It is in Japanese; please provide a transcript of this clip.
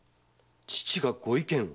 父がご意見を？